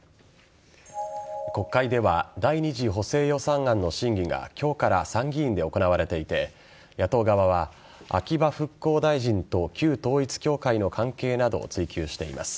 国会では第２次補正予算案の審議が今日から参議院で行われていて野党側は秋葉復興大臣と旧統一教会の関係などを追及しています。